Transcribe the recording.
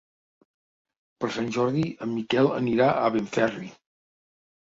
Per Sant Jordi en Miquel anirà a Benferri.